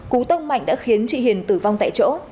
cú tông mạnh đã khiến chị hiền tử vong tại chỗ